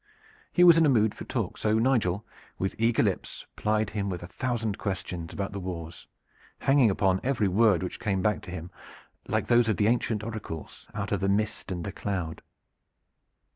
He was in a mood for talk; so Nigel with eager lips plied him with a thousand questions about the wars, hanging upon every word which came back to him, like those of the ancient oracles, out of the mist and the cloud.